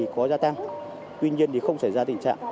có gia tăng tuy nhiên không xảy ra tình trạng